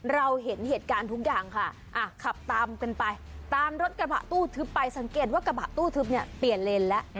เราเห็นเหตุการณ์ทุกอย่างค่ะขับตามกันไปตามรถกระบะตู้ทึบไปสังเกตว่ากระบะตู้ทึบเนี่ยเปลี่ยนเลนแล้ว